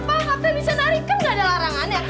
emang kenapa kapten bisa nari kan gak ada larangan kan